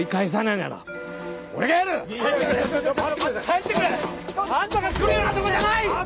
帰ってくれ！あんたが来るようなとこじゃない！